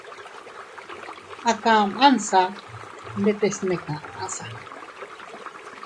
A kamansa ndetes ne kaʼsa.